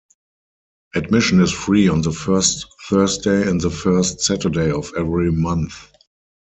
Admission is free on the first Thursday and the first Saturday of every month.